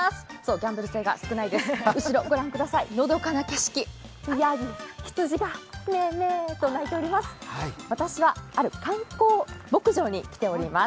ギャンブル性が少ないです、後ろ御覧ください、のどかな景色、やぎ、羊がメーメーと鳴いています